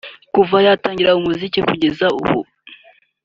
Kuva yatangira umuziki kugeza ubu